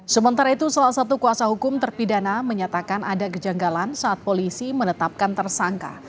sementara itu salah satu kuasa hukum terpidana menyatakan ada kejanggalan saat polisi menetapkan tersangka